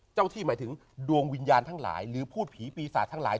เจ้าที่หมายถึงดวงวิญญาณทั้งหลายหรือพูดผีปีศาจทั้งหลาย